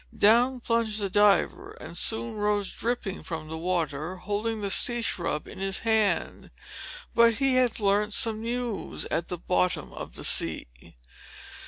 Down plunged the diver, and soon rose dripping from the water, holding the sea shrub in his hand. But he had learnt some news at the bottom of the sea.